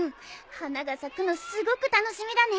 花が咲くのすごく楽しみだね。